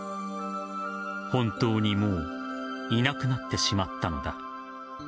本当にもういなくなってしまったのだ。